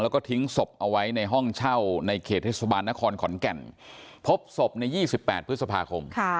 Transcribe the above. แล้วก็ทิ้งศพเอาไว้ในห้องเช่าในเขตเทศบาลนครขอนแก่นพบศพใน๒๘พฤษภาคม